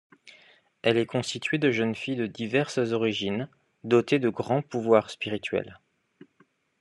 Elle est constituée de jeunes filles de diverses origines, dotées de grands pouvoirs spirituels.